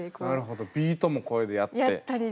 なるほどビートも声でやって。